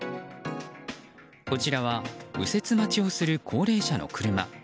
こちらは右折待ちをする高齢者の車。